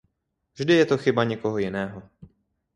Vždy je to chyba někoho jiného.